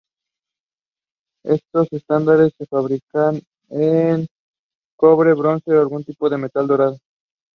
The film failed to perform well at the box office.